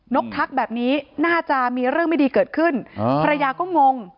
กทักแบบนี้น่าจะมีเรื่องไม่ดีเกิดขึ้นภรรยาก็งง